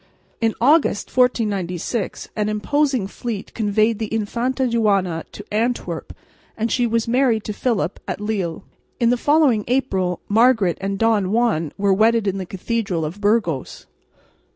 In August, 1496, an imposing fleet conveyed the Infanta Juana to Antwerp and she was married to Philip at Lille. In the following April Margaret and Don Juan were wedded in the cathedral of Burgos.